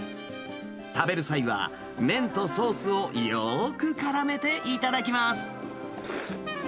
食べる際は、麺とソースをよーくからめて頂きます。